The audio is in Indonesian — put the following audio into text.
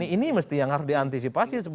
ini yang harus diantisipasi